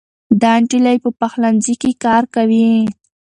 دا نجلۍ په پخلنځي کې کار کوي.